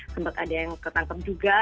sempat ada yang ketangkep juga